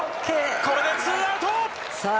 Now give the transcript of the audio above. これでツーアウト。